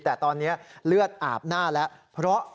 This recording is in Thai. แต่ตอนนี้เลือดอาบหน้าแล้ว